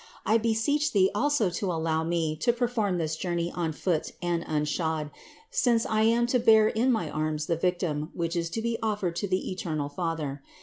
I beseech thee also to allow me to per form this journey on foot and unshod; since I am to bear in my arms the Victim, which is to be offered to the eternal Father.